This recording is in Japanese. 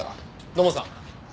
土門さん。